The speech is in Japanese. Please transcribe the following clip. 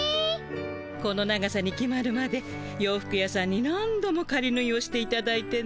この長さに決まるまで洋服屋さんに何度もかりぬいをしていただいてね。